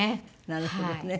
なるほどね。